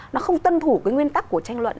nó không tân thủ cái nguyên tắc của tranh luận